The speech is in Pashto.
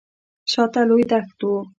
شاته لوی دښت و.